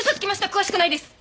詳しくないです！